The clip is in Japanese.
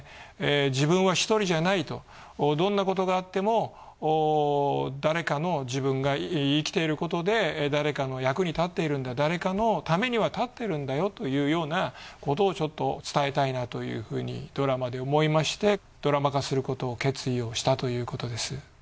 自分は１人じゃないとどんなことがあっても誰かの自分が生きていることで誰かの役に立っているんだ誰かのためにはたってるんだよというようなことをちょっと伝えたいなというふうにドラマで思いましてドラマ化することを決意をしたということです。